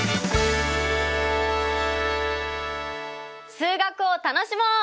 数学を楽しもう！